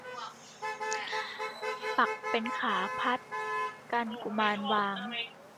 ปักเป็นขาพัดกันกุมารวาง